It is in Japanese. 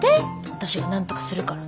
私がなんとかするから。